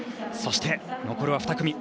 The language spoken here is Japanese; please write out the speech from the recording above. そして、残るは２組。